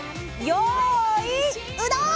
よいうどん！